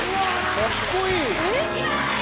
かっこいい。